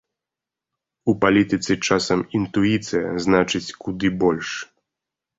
У палітыцы часам інтуіцыя значыць куды больш.